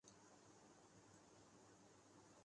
تو دوسرا اسلام آباد۔